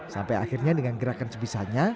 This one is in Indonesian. sampai akhirnya dengan gerakan sebisanya